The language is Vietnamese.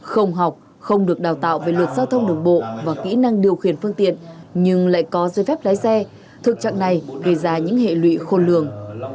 không học không được đào tạo về luật giao thông đường bộ và kỹ năng điều khiển phương tiện nhưng lại có giới phép lái xe thực trạng này gây ra những hệ lụy khôn lường